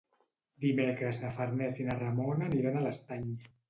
Dimecres na Farners i na Ramona aniran a l'Estany.